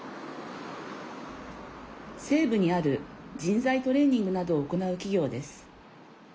西部にある人材トレーニングなどを行う企業です。